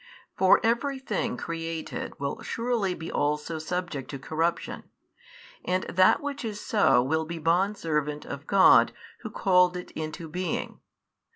For every thing created will surely be also subject to corruption, and that which is so will be bondservant of God Who called it into being.